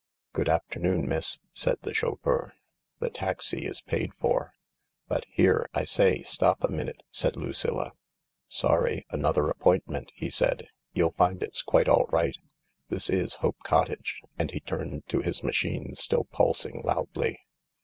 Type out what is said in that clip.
" Good afternoon, miss," said the chauffeur • "the taxi is paid for." " But here— I say, stop a minute I " said Ludlla. Sorry— another appointment," he said. " You'll find it s quite all right. This is Hope Cottage," and he turned to his machine still pulsing loudly.